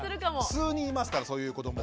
数人いますからそういう子ども。